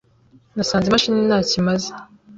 Nasanze imashini ntacyo imaze.